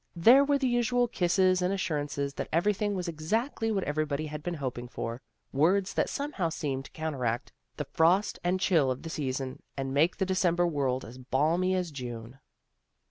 There were the usual kisses and assurances that everything was exactly what everybody had been hoping for, words that somehow seemed to counteract the frost and chill of the season, and make the December world as balmy as June.